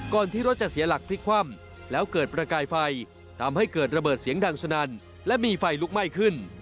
ที่รถจะเสียหลักพลิกคว่ำแล้วเกิดประกายไฟทำให้เกิดระเบิดเสียงดังสนั่นและมีไฟลุกไหม้ขึ้น